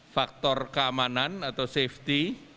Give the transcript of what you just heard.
faktor keamanan atau safety